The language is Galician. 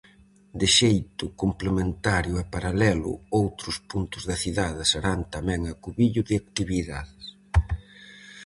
De xeito complementario e paralelo, outros puntos da cidade serán tamén acubillo de actividades.